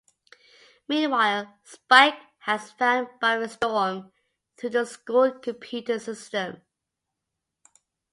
Meanwhile, Spike has found Buffy's dorm through the school computer system.